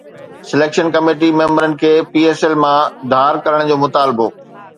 selection committee ميمبرن کي P S L مان ڌار ڪرڻ جو مطالبو